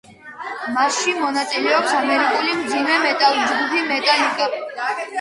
მასში მონაწილეობს ამერიკული მძიმე მეტალ-ჯგუფი მეტალიკა.